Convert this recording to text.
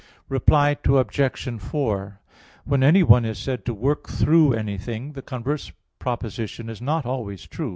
Reply Obj. 4: When anyone is said to work through anything, the converse proposition is not always true.